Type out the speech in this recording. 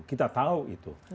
kita tahu itu